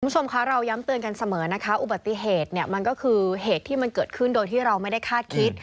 คุณผู้ชมคะเราย้ำเตือนกันเสมอนะคะอุบัติเหตุเนี่ยมันก็คือเหตุที่มันเกิดขึ้นโดยที่เราไม่ได้คาดคิด